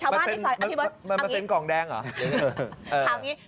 อ๋อมันเป็นเซ็นกองแดงเหรอ